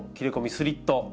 スリット。